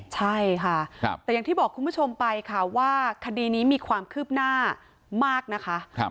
ใช่ค่ะแต่อย่างที่บอกคุณผู้ชมไปค่ะว่าคดีนี้มีความคืบหน้ามากนะคะ